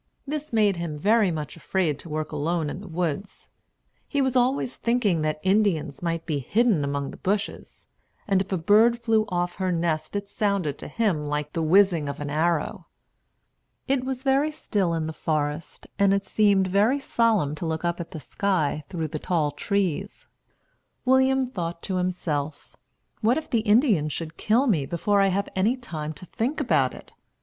This made him very much afraid to work alone in the woods. He was always thinking that Indians might be hidden among the bushes; and if a bird flew off her nest it sounded to him like the whizzing of an arrow. It was very still in the forest, and it seemed very solemn to look up at the sky through the tall trees. William thought to himself, "What if the Indians should kill me before I have any time to think about it?